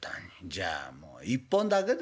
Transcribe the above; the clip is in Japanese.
じゃあもう１本だけですよ」。